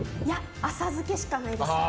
浅漬けしかないですね。